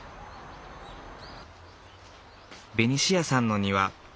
ベニシアさんの庭